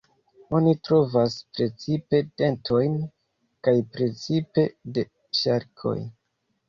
Oni trovas precipe dentojn, kaj precipe de ŝarkoj.